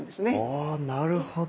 あなるほど。